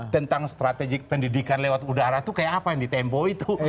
tentang strategik pendidikan lewat udara tuh kayak apa nih tempo itu